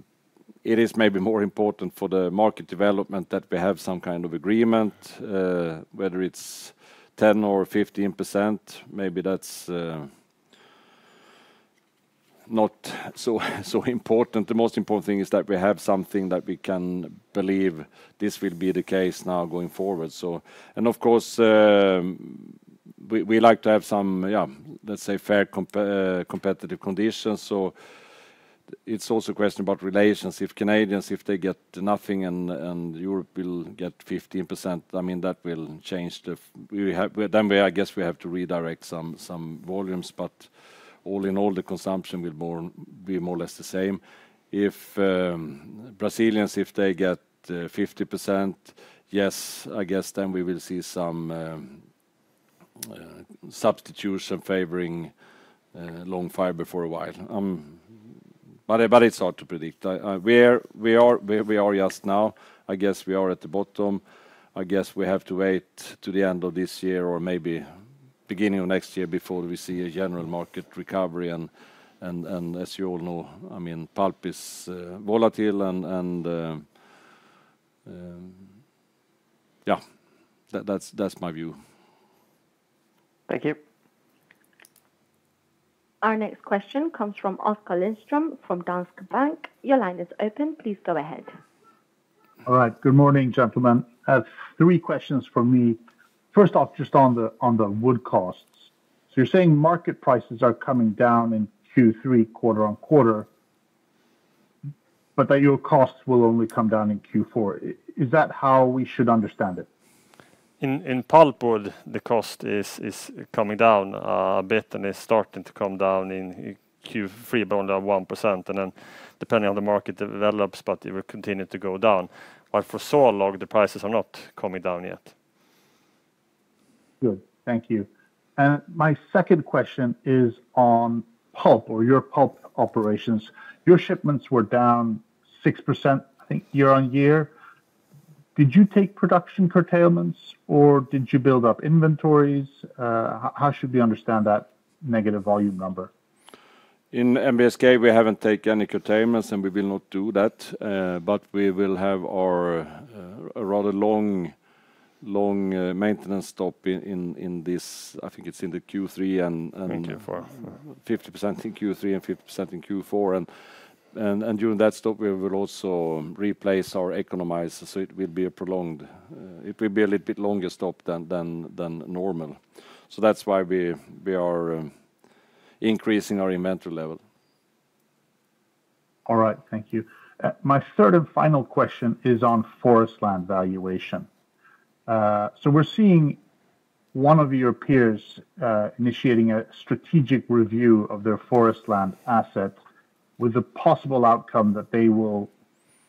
it is maybe more important for the market development that we have some kind of agreement, whether it's 10% or 15%, maybe that's not so important. The most important thing is that we have something that we can believe this will be the case now going forward. So and of course, we like to have some, yes, let's say, fair competitive conditions. So it's also a question about relations. If Canadians, if they get nothing and Europe will get 15%, I mean, that will change have then we, I guess, we have to redirect some volumes. But all in all, the consumption will be more or less the same. If Brazilians, if they get 50%, yes, I guess, then we will see some substitution favoring long fiber for a while. But it's hard to predict. Where we are just now, I guess we are at the bottom. I guess we have to wait to the end of this year or maybe beginning of next year before we see a general market recovery. As you all know, I mean pulp is volatile and yeah, that's my view. Thank you. Our next question comes from Oskar Lindstrom from Danske Bank. Your line is open. Please go ahead. All right. Good morning, gentlemen. I have three questions for me. First off, just on wood costs. So you're saying market prices are coming down in Q3 quarter on quarter, but that your costs will only come down in Q4. Is that how we should understand it? In pulpwood, the cost is coming down a bit and is starting to come down And then depending on the market develops, but it will continue to go down. But for sawlog, the prices are not coming down yet. Good. Thank you. And my second question is on pulp or your pulp operations. Your shipments were down 6% year on year. Did you take production curtailments or did you build up inventories? How should we understand that negative volume number? In NBSK, we haven't taken any curtailments and we will not do that. But we will have our rather long maintenance stop in this I think it's in the Q3 and 50% in Q3 and 50% in Q4. And during that stop we will also replace our economizer. So it will be a prolonged it will be a little bit longer stop than normal. So that's why we are increasing our inventory level. All right. Thank you. My third and final question is on forest land valuation. So we're seeing one of your peers initiating a strategic review of their forest land assets with a possible outcome that they will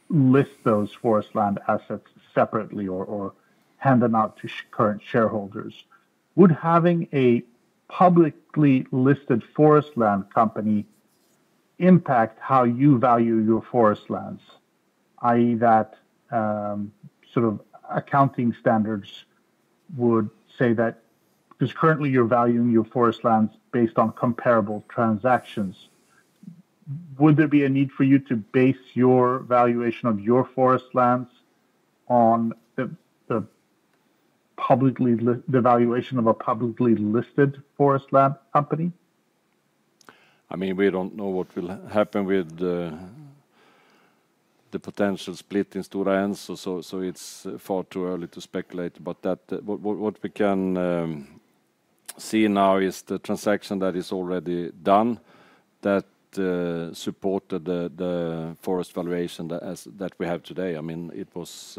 list those forest land assets separately or hand them out to current shareholders. Would having a publicly listed forest land company impact how you value your forest lands, I. E. That sort of accounting standards would say that because currently you're valuing your forest lands based on comparable transactions. Would there be a need for you to base your valuation of your forest lands on the publicly the valuation of a publicly listed forest land company? I mean, we don't know what will happen with the potential split in Stora Enso, so it's far too early to speculate about that. What we can see now is the transaction that is already done that supported the forest valuation that we have today. I mean it was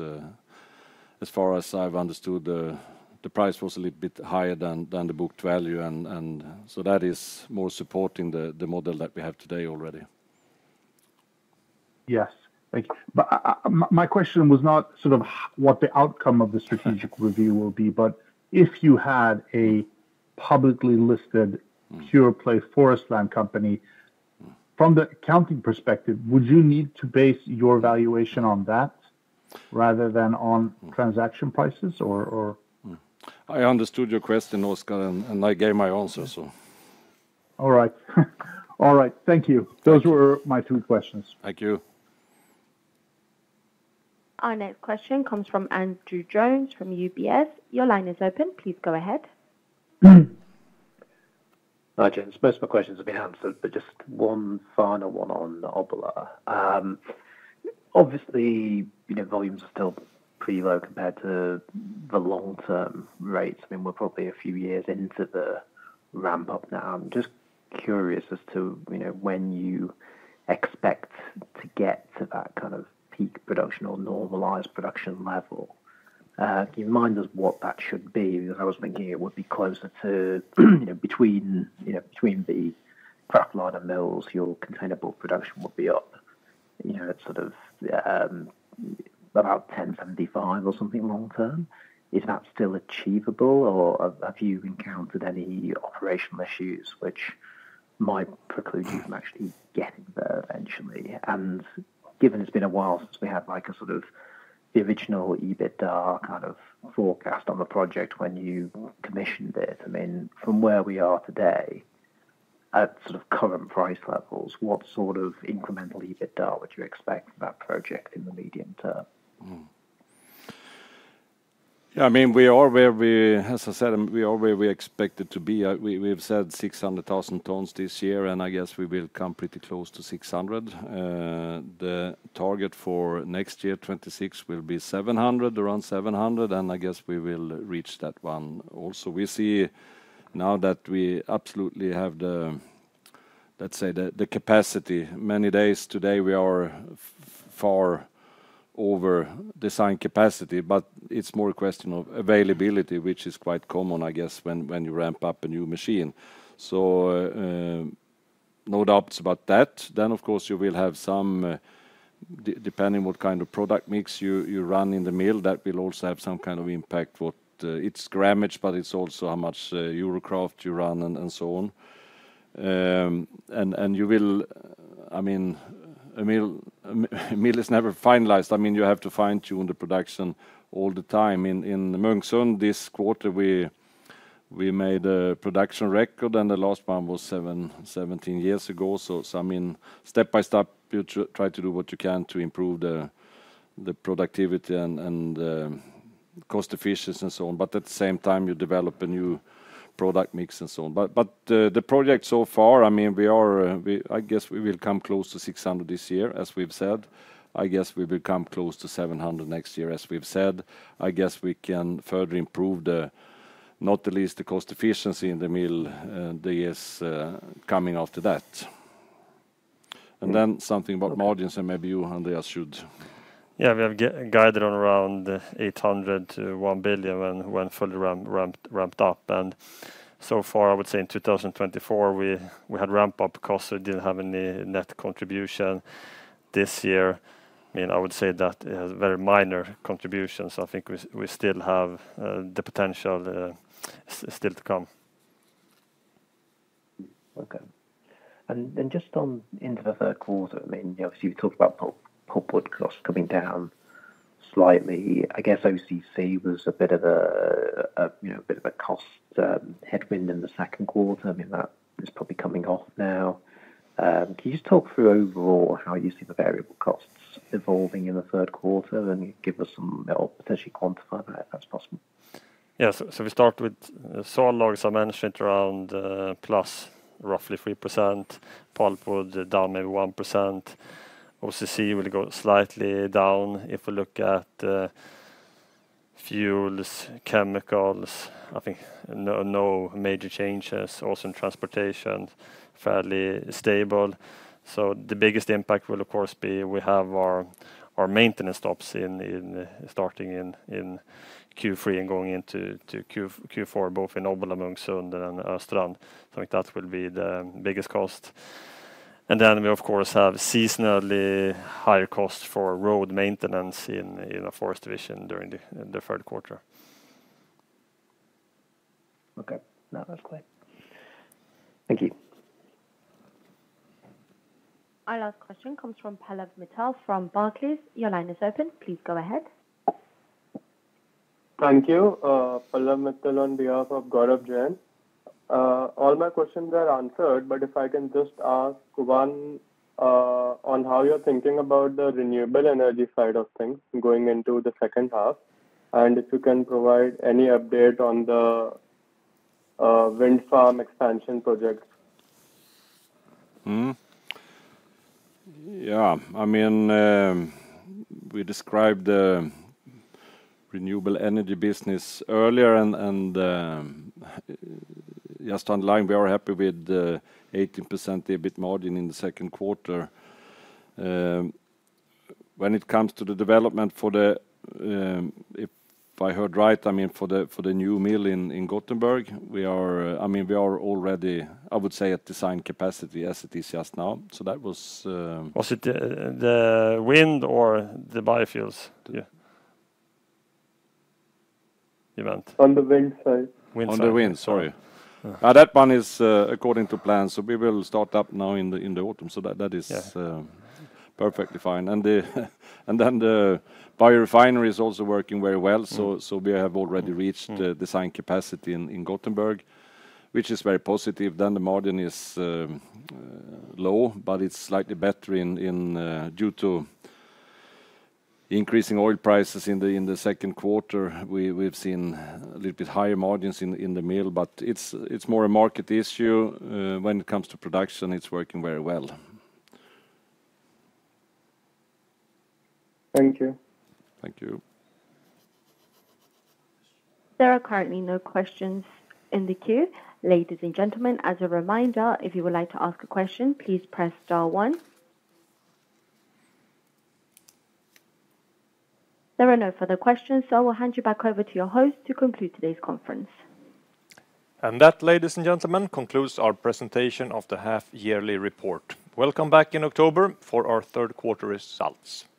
as far as I've understood, the price was a little bit higher than the book value and so that is more supporting the model that we have today already. Yes. My question was not sort of what the outcome of the strategic review will be, but if you had a publicly listed pure play forest land company, from the accounting perspective, would you need to base your valuation on that rather than on transaction prices or? I understood your question, Oskar, and I gave my answer, so. All right. All right. Thank you. Those were my two questions. Thank you. Our next question comes from Andrew Jones from UBS. Your line is open. Please go ahead. Hi, James. Most of my questions have been answered, but just one final one on Obalar. Obviously, volumes are still pretty low compared to the long term rates. I mean, we're probably a few years into the ramp up now. I'm just curious as to when you expect to get to that kind of peak production or normalized production level. Can you remind us what that should be? I was thinking it would be closer to between the kraftliner mills, your containerboard production would be up sort of about $10.75 or something long term. Is that still achievable? Or have you encountered any operational issues, which might preclude you from actually getting there eventually? And given it's been a while since we had like a sort of the original EBITDA kind of forecast on the project when you commissioned it. I mean from where we are today at sort of current price levels, what sort of incremental EBITDA would you expect from that project in the medium term? I mean, we are where we as I said, we are where we expect it to be. We've said 600,000 tons this year, and I guess we will come pretty close to 600,000. The target for next '26 will be 700, around 700 and I guess we will reach that one also. We see now that we absolutely have the, let's say, the capacity many days today we are far over design capacity, but it's more a question of availability, which is quite common, I guess, when you ramp up a new machine. So no doubts about that. Then, of course, you will have some depending what kind of product mix you run-in the mill that will also have some kind of impact what it's grammaged, but it's also how much Eurocraft you run and so on. You will I mean, a mill is never finalized. I mean, you have to fine tune the production all the time. In this quarter we made a production record and the last one was seventeen years ago. I mean step by step you try to do what you can to improve the productivity and cost efficiency and so on, but at the same time you develop a new product mix and so on. But the project so far, I mean, we are I guess we will come close to 600 million year as we've said. I guess we will come close to 700 million next year as we've said. I guess we can further improve the not the least the cost efficiency in the mill this coming after that. And then something about margins and maybe you, Andreas, should. Yes, we have guided on around 800,000,000 to 1,000,000,000 when fully ramped up. And so far, I would say, in 2024, we had ramp up costs. We didn't have any net contribution. This year, I I would say that it has very minor contributions. I think we still have the potential still to come. Okay. And then just on into the third quarter, I mean, obviously, you talked about pulpwood costs coming down slightly. I guess OCC was a bit of a cost headwind in the second quarter. I mean, that is probably coming off now. Can you just talk through overall how you see the variable costs evolving in the third quarter? And give us some potentially quantify that, if that's possible. Yes. So we start with sawlogs, I mentioned around plus roughly 3% pulpwood down maybe 1% OCC will go slightly down. If we look at fuels, chemicals, I think no major changes. Also in transportation, fairly stable. So the biggest impact will, of course, be we have our maintenance stops in starting in Q3 and going into Q4, both in Obal, Mung, Sunda and Ostrand. I think that will be the biggest cost. And then we, of course, have seasonally higher costs for road maintenance in Forest Division during the third quarter. Okay. That was great. Thank you. Our last question comes from Pallav Mitel from Barclays. Your line is open. Please go ahead. Thank you. Palam Mittal on behalf of Gaurav Jain. All my questions are answered, but if I can just ask one on how you're thinking about the renewable energy side of things going into the second half. And if you can provide any update on the wind farm expansion projects? Yes. I mean, we described the renewable energy business earlier and just underlying, we are happy with 18% EBIT margin in the second quarter. When it comes to the development for the if I heard right, mean, for the new mill in Gothenburg, we are I mean, we are already, I would say, at design capacity as it is just now. So that was Was it the wind or the biofuels event? On the wind side. On the wind, sorry. That one is according to plan. So we will start up now in autumn. So that is perfectly fine. And then the biorefinery is also working very well. So we have already reached the same capacity in Gothenburg, which is very positive. Then the margin is low, but it's slightly better in due to increasing oil prices in the second quarter. We've seen a little bit higher margins in the mill, but it's more a market issue. When it comes to production, it's working very well. Thank you. Thank you. There are currently no questions in the queue. There are no further questions, so I will hand you back over to your host to conclude today's conference. And that, ladies and gentlemen, concludes our presentation of the half yearly report. Welcome back in October for our third quarter results. Thank